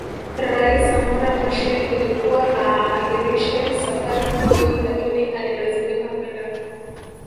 Rais Samora Machel Ilikuwa aahirishe safari hiyo lakini alilazimika kwenda